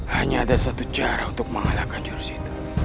hanya ada satu cara untuk mengalahkan jurus itu